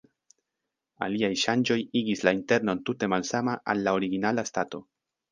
Aliaj ŝanĝoj igis la internon tute malsama al la originala stato.